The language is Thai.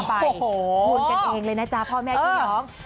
คูณกันเองเลยนะจ๊ะพ่อแม่พี่น้อง